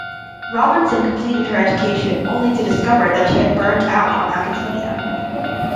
Robinson completed her education only to discover that she had "burned out" on academia.